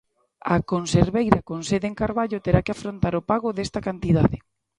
A conserveira con sede en Carballo terá que afrontar o pago desta cantidade.